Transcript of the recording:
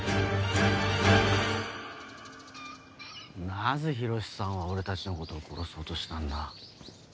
なぜ洋さんは俺たちのことを殺そうとしたんだ？